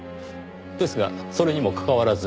ですがそれにもかかわらず。